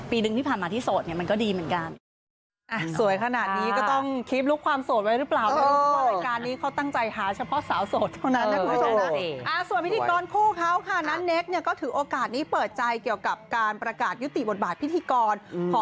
ปีหนึ่งที่ผ่านมาที่โสดเนี่ยมันก็ดีเหมือนกัน